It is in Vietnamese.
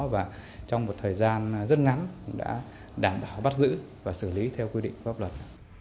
và trong một thời gian rất ngắn cũng đã đảm bảo bắt giữ và xử lý theo quy định pháp luật